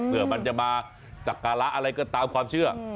เพื่อมันจะมาสักการะอะไรก็ตามความเชื่อ